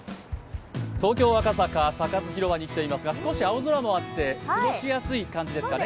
東京・赤坂、サカス広場に来ていますが少し青空もあって、過ごしやすい感じですかね。